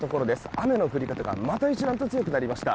雨の降り方がまた一段と強くなりました。